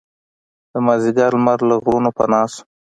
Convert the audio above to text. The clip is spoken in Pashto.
د مازدیګر لمر له غرونو پناه شو.